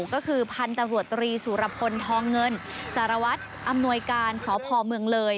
ก็คือพันธุ์ตำรวจตรีสุรพลทองเงินสารวัตรอำนวยการสพเมืองเลย